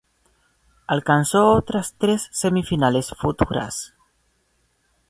Alcanzó otras tres semifinales futures.